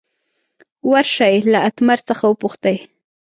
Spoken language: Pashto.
ور شئ له اتمر څخه وپوښتئ.